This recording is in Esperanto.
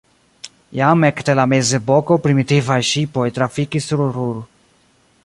Jam ekde la mezepoko primitivaj ŝipoj trafikis sur Ruhr.